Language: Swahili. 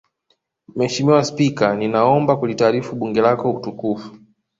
Mheshimiwa Spika ninaomba kulitaarifu Bunge lako tukufu